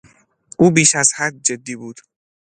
او بیش از حد جدی بود.